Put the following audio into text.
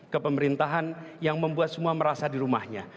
kepemerintahan yang membuat semua merasa di rumahnya